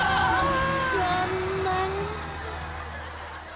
残念！